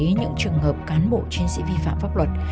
đối với những trường hợp cán bộ chiến sĩ vi phạm pháp luật